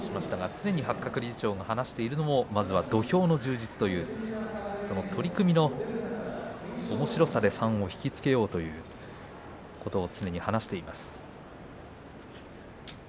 常に八角理事長が話しているのもまずは土俵の充実という取組のおもしろさでファンを引き付けようということを常に話しています。